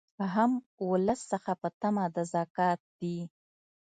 هم ولس څخه په طمع د زکات دي